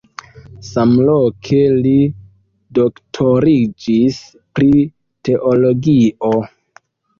Samloke li doktoriĝis pri teologio.